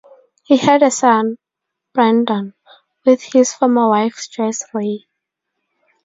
He had a son, Brandon, with his former wife Joyce Rey.